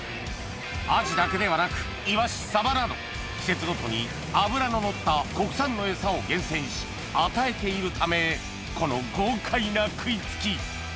アジだけではなくイワシサバなど季節ごとに脂ののった国産の餌を厳選し与えているためこの豪快な食い付き